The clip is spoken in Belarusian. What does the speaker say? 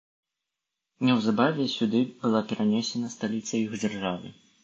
Неўзабаве сюды была перанесена сталіца іх дзяржавы.